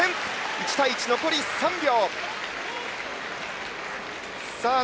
１対１、残り３秒。